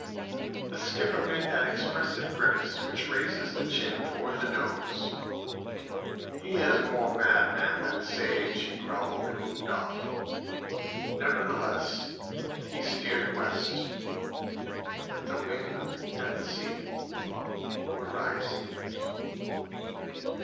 The skipper made that expressive grimace which raises the chin towards the nose. "He is more madman than sage," he growled, and moved off. Nevertheless he steered west. But the wind and the sea were rising.